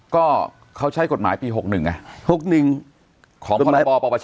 ก็เขาใช้กฎหมายปี๖๑เนี่ย